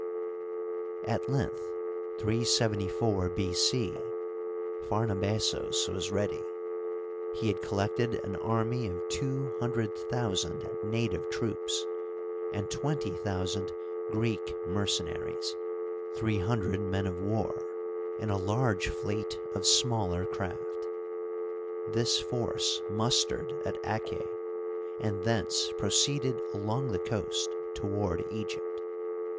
At length, 374 B. C, Phar nabazos was ready. He had collected an army of two hundred thousand native troops and twenty thousand Greek mercenaries, three hundred men of war, and a large fleet of smaller craft This force mustered at Ak6, and thence proceeded along the coast toward Egypt.